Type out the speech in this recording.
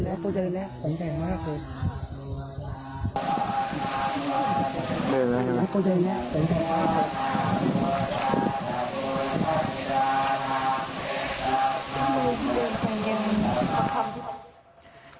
ตัวเดินแล้วสงสัยมากครับ